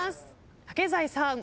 竹財さん。